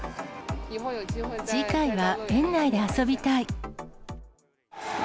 次回は園内で遊びたい。